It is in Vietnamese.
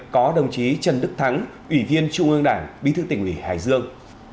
có đồng chí trần đức thắng ủy viên trung ương đảng bí thư tỉnh ủy hải dương